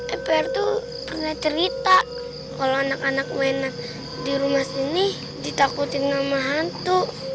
epr tuh pernah cerita kalau anak anak mainan di rumah sini ditakutin sama hantu